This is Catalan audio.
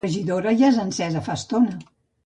La fregidora ja és encesa fa estona